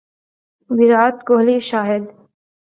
Virat Kohli Shahid